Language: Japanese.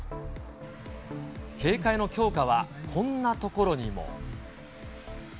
警戒の強化はこんなところにも。